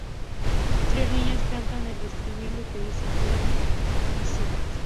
Tres niñas cantan el estribillo que dice: "Heidi is so sweet.